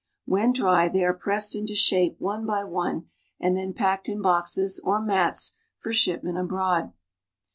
When dry they are pressed into shape one by one, and then packed in boxes or mats for shipment abroad.